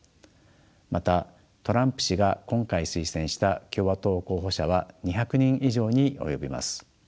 またトランプ氏が今回推薦した共和党候補者は２００人以上に及びます。